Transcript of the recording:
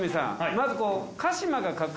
まずこう。